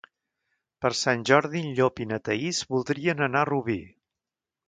Per Sant Jordi en Llop i na Thaís voldrien anar a Rubí.